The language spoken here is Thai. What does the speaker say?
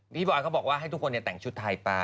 ที่บอกเค้าบอกว่าให้ตัวทุกคนเนี่ยแต่งชุดไทยไป